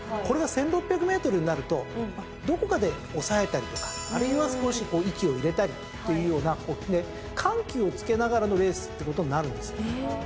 これが１，６００ｍになるとどこかで抑えたりとかあるいは少し息を入れたりというような緩急をつけながらのレースってことになるんですよ。